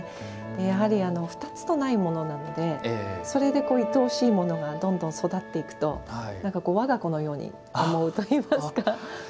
やはり、２つと、ないものなのでそれで、いとおしいものがどんどん育っていくと我が子のように思うといいますか。